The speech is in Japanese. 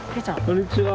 こんにちは。